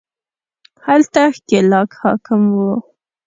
هلته ښکېلاک حاکم وو